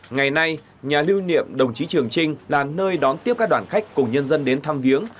ngày nay nhà lưu niệm đồng chí trường trinh là nơi đón tiếp các đoàn khách cùng nhân dân đến thăm viếng